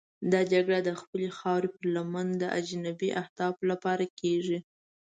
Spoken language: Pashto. دا جګړه د خپلې خاورې پر لمن د اجنبي اهدافو لپاره کېږي.